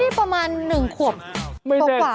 นี่ประมาณ๑ขวบกว่าได้ไหมคะ